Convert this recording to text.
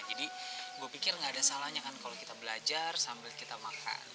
jadi gue pikir enggak ada salahnya kan kalau kita belajar sambil kita makan